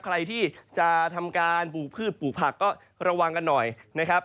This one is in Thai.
ใครที่จะทำการปลูกพืชปลูกผักก็ระวังกันหน่อยนะครับ